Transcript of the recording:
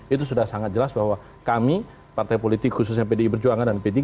itu sudah sangat jelas bahwa kami partai politik khususnya pdi perjuangan dan p tiga